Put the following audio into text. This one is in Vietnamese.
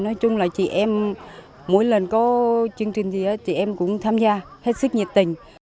nói chung là chị em mỗi lần có chương trình gì chị em cũng tham gia hết sức nhiệt tình